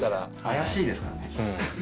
あやしいですからね。